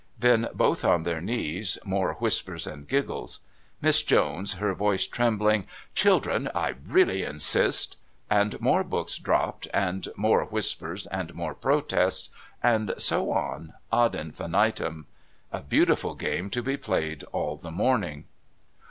Then, both on their knees, more whispers and giggles. Miss Jones, her voice trembling: "Children, I really insist " And more books dropped, and more whispers and more protests, and so on ad infinitum. A beautiful game to be played all the morning.